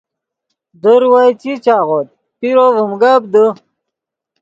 در وئے چی چاغوت پیرو ڤیم گپ دے